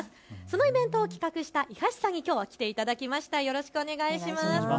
そのイベントを企画した伊橋さんに来ていただきました。